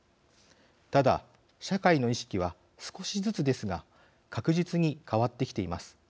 ただ、社会の意識は少しずつですが確実に変わってきています。